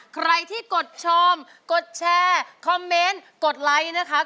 ใครที่กดชมกดแชร์คอมเมนต์กดไลค์นะคะ